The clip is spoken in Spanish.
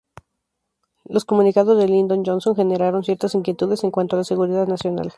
Los comunicados de Lyndon Johnson generaron ciertas inquietudes en cuanto a la seguridad nacional.